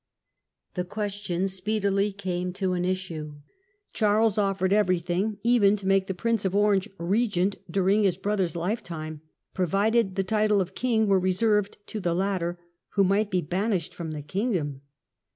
The question speedily came to an issue. Charles offered everything; even to make the Prince of Orange Regent during his brother's lifetime, provided the title of king were reserved to the latter, who might be banished from the kingdom.